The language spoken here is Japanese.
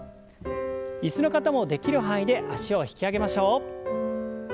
椅子の方もできる範囲で脚を引き上げましょう。